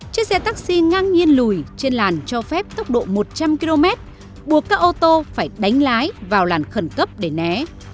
chiếc xe taxi ngang nhiên lùi trên làn cho phép tốc độ một trăm linh km buộc các ô tô phải đánh lái vào làn khẩn cấp để né